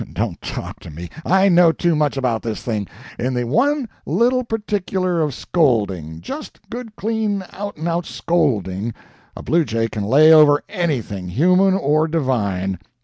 Don't talk to ME I know too much about this thing; in the one little particular of scolding just good, clean, out and out scolding a bluejay can lay over anything, human or divine.